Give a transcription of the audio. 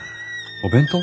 お弁当？